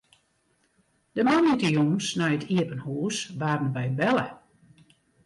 De moandeitejûns nei it iepen hûs waarden wy belle.